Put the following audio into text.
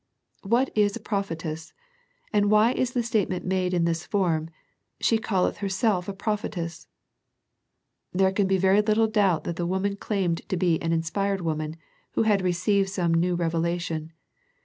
What is a prophetess, and why is the statement made in this form, *' she calleth herself a prophetess ?" There can be very little doubt that the woman claimed to be an inspired woman, who had re ceived some new revelation.